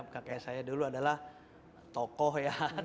kakek saya dulu adalah tokoh ya